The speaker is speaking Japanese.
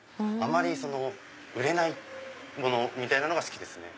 あまり売れないものみたいなのが好きです。